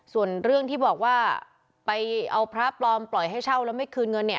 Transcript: ส่วนเรื่องที่บอกว่าไปเอาพระปลอมปล่อยให้เช่าแล้วไม่คืนเงินเนี่ย